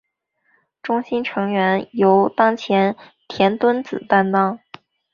中心成员由前田敦子担当。